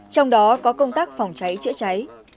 trong đó có công tác phòng cháy chữa cháy